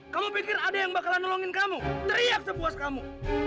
kamu pikir ada yang bakalan nolongin kamu teriak sepuas kamu